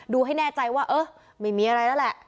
ให้แน่ใจว่าเออไม่มีอะไรแล้วแหละ